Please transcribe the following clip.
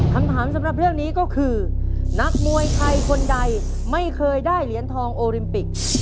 คำถามสำหรับเรื่องนี้ก็คือนักมวยไทยคนใดไม่เคยได้เหรียญทองโอลิมปิก